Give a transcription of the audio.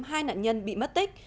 hai nạn nhân bị mất tích